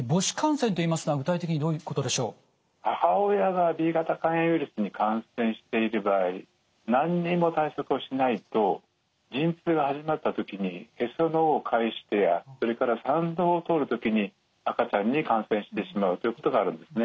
母親がＢ型肝炎ウイルスに感染している場合何にも対策をしないと陣痛が始まった時にへその緒を介してやそれから産道を通る時に赤ちゃんに感染してしまうということがあるんですね。